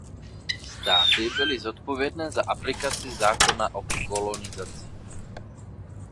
Státy byli zodpovědné za aplikaci Zákona o kolonizaci.